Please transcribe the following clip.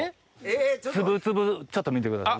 粒々ちょっと見てください